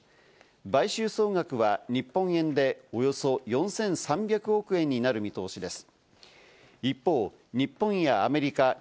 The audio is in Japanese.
買収総額は日本円でおよそ４３００億円になる見通しです。